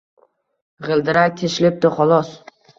Gʻildirak teshilibdi, xolos